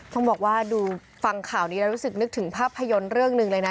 ต้องบอกว่าดูฟังข่าวนี้แล้วรู้สึกนึกถึงภาพยนตร์เรื่องหนึ่งเลยนะ